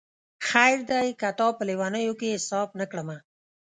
خیر دی که تا په لېونیو کي حساب نه کړمه